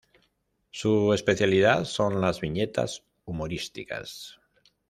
Su especialidad son las viñetas humorísticas.